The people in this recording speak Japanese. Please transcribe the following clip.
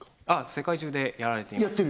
世界中でやられています